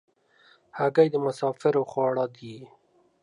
هګۍ د مسافرو خواړه دي.